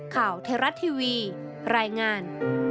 ข่าวเทราะทีวีรายงาน